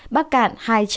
bắc cạn hai trăm một mươi bốn